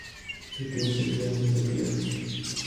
El que no se fía, no es de fiar